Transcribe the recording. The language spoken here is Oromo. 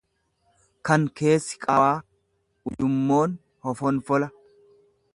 kan keessi qaawaa; Ujummoon hofonfola.